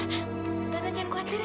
tante jangan khawatir ya